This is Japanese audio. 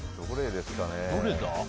どれだ？